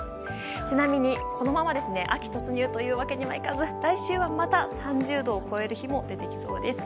ちなみに、このまま秋突入というわけにはいかず、来週はまた３０度を超える日も出てきそうです。